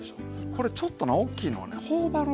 これちょっとな大きいのはね頬張る